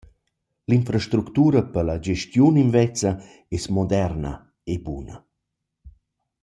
L’infrastuctura per la gestiun invezza es moderna e buna.